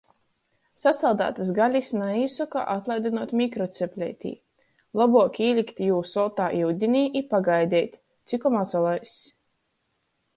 Sasaldātys galis naīsoka atlaidynuot mikrocepleitī. Lobuok īlikt jū soltā iudinī i pagaideit, cikom atsalaiss.